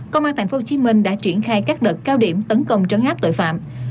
công an tp hcm đã triển khai các đợt cao điểm tấn công trấn áp tội phạm